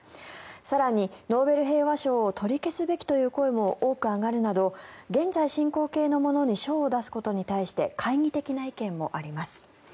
更に、ノーベル平和賞を取り消すべきという声も多く上がるなど現在進行形のものに賞を出すことに対して懐疑的な意見もあります。